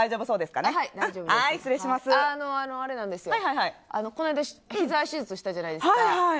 あの、この間ひざ手術したじゃないですか。